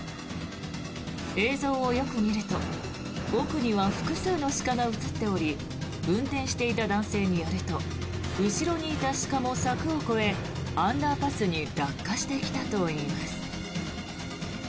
映像をよく見ると奥には複数の鹿が映っており運転していた男性によると後ろにいた鹿も柵を越えアンダーパスに落下してきたといいます。